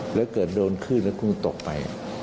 แล้วเกิดโดนขึ้นแล้วคุณตกไป